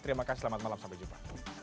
terima kasih selamat malam sampai jumpa